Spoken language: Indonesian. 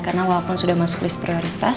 karena walaupun sudah masuk list prioritas